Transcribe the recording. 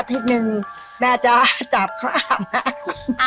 อ๋ออาทิตย์นึงแม่จะจับเค้าอาบน้ำ